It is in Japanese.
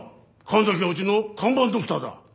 神崎はうちの看板ドクターだ。